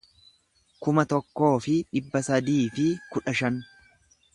kuma tokkoo fi dhibba sadii fi kudha shan